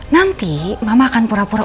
nanti mama akan pura pura